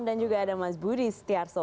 dan juga ada mas budi setiarso